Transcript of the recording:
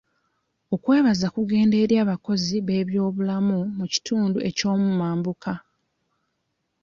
Okwebaza kugende eri abakozi b'eby'obulamu mu kitundu ekyomu mambuka.